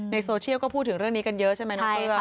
โซเชียลก็พูดถึงเรื่องนี้กันเยอะใช่ไหมน้องเฟื้อง